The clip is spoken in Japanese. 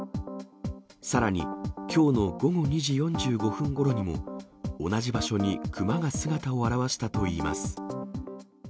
さらに、きょうの午後２時４５分ごろにも、同じ場所にクマが姿を現したといいます。